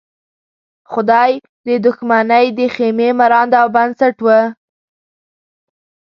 خدۍ د دښمنۍ د خېمې مرانده او بنسټ وه.